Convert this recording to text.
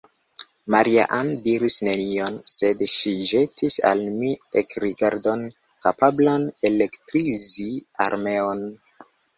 Maria-Ann diris nenion; sed ŝi ĵetis al mi ekrigardon, kapablan elektrizi armeon.